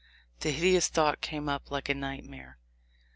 The hideous thought came up like a nightmare.